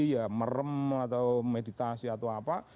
ya merem atau meditasi atau apa